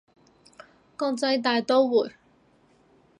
國際大刀會